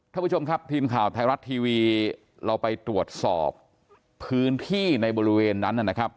ท่านผู้ชมครับทีมข่าวไทยรัฐทีวีเราไปตรวจสอบพื้นที่ในบริเวณนั้นนะครับ